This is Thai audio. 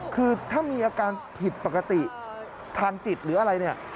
คือถ้ามีอาการผิดปกติทางจิตหรืออะไรเนี่ย